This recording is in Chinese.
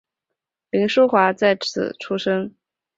凌叔华在此出生。